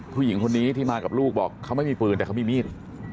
ผู้หญิงคนนี้ที่มากับลูกบอกเขาไม่มีปืนแต่เขามีมีด